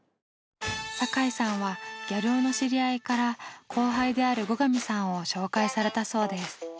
酒井さんはギャル男の知り合いから後輩である後上さんを紹介されたそうです。